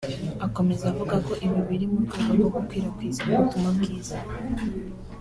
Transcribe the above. Akomeza avuga ko ibi biri mu rwego rwo gukwirakwiza ubutumwa bwiza